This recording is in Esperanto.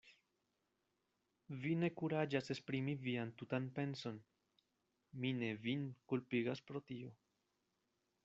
Vi ne kuraĝas esprimi vian tutan penson; mi ne vin kulpigas pro tio.